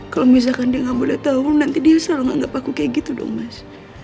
kalo misalkan dia gak boleh tau nanti dia selalu nganggap aku kayak gitu dong mas